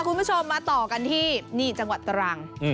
คุณผู้ชมมาต่อกันที่นี่จังหวัดตรัง